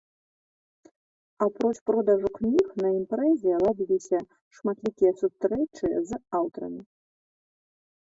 Апроч продажу кніг на імпрэзе ладзіліся шматлікія сустрэчы з аўтарамі.